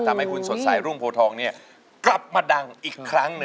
ทำให้คุณสดใสรุ่งโพทองเนี่ยกลับมาดังอีกครั้งหนึ่ง